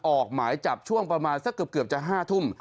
ออกหมายจับช่วงประมาณสักเกือบจะ๕ทุ่ม